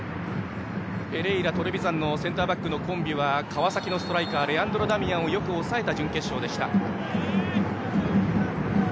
ペレイラ、トレヴィザンのセンターバックのコンビは川崎のストライカーレアンドロ・ダミアンをよく抑えた準決勝でした。